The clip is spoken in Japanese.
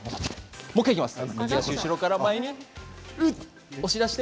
もう１回いきます。